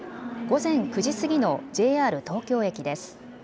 午前９時過ぎのＪＲ東京駅です。